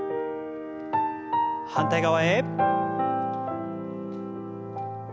反対側へ。